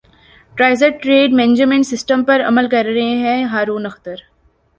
transit trade management system پر عمل کر رہے ہیں ہارون اختر